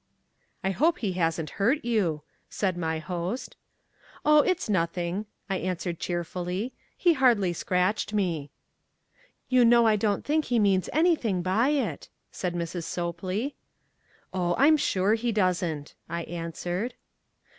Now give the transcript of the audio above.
"I hope he hasn't hurt you," said my host. "Oh, it's nothing," I answered cheerfully. "He hardly scratched me." "You know I don't think he means anything by it," said Mrs. Sopley. "Oh, I'm SURE he doesn't," I answered.